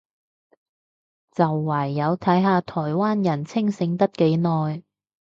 就唯有睇下台灣人清醒得幾耐